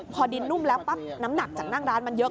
พอดินนุ่มแล้วปั๊บน้ำหนักจากนั่งร้านมันเยอะ